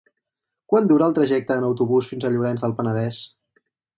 Quant dura el trajecte en autobús fins a Llorenç del Penedès?